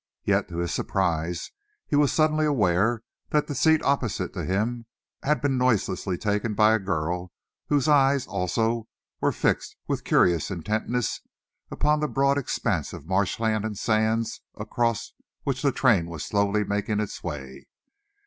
Yet, to his surprise, he was suddenly aware that the seat opposite to him had been noiselessly taken by a girl whose eyes, also, were fixed with curious intentness upon the broad expanse of marshland and sands across which the train was slowly making its way.